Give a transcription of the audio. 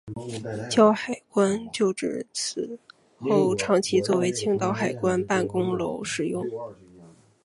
胶海关旧址此后长期作为青岛海关办公楼使用。